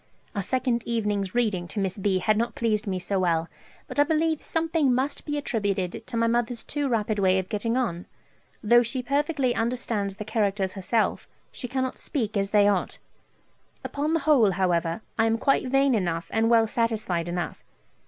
Our second evening's reading to Miss B. had not pleased me so well, but I believe something must be attributed to my mother's too rapid way of getting on: though she perfectly understands the characters herself, she cannot speak as they ought. Upon the whole, however, I am quite vain enough and well satisfied enough.